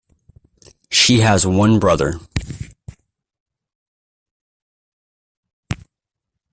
She has one brother.